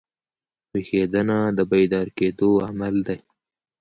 ویښېدنه د بیدار کېدو عمل دئ.